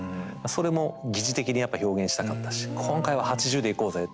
それも疑似的にやっぱ表現したかったし「今回は８０でいこうぜ」っていうことで。